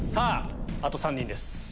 あと３人です。